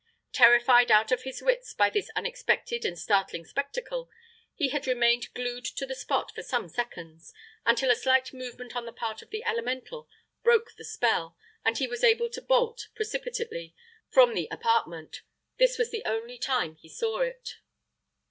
Terrified out of his wits by this unexpected and startling spectacle, he had remained glued to the spot for some seconds, until a slight movement on the part of the Elemental broke the spell, and he was able to "bolt" precipitately from the apartment: this was the only time he saw it.